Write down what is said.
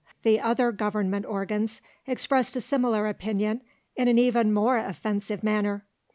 The other Government organs expressed a similar opinion in an even more offensive manner.